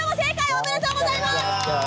おめでとうございます！